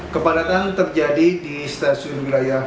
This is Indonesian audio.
kepadatan terjadi di stasiun wilayah